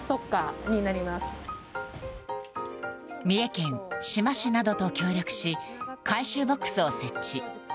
三重県志摩市などと協力し回収ボックスを設置。